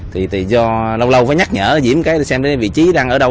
thì do lâu lâu phải nhắc nhở diễm cái xem đấy vị trí đang ở đâu